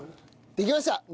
できました！